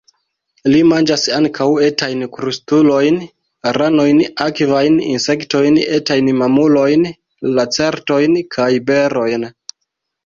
Ili manĝas ankaŭ etajn krustulojn, ranojn, akvajn insektojn, etajn mamulojn, lacertojn kaj berojn.